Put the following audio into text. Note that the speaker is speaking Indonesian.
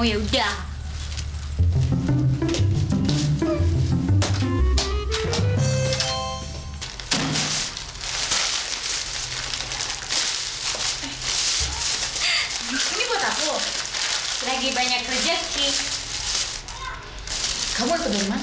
eh mau bajer lagi man